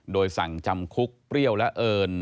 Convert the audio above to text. โดยสั่งจำคุกเปรี้ยวและเอิญ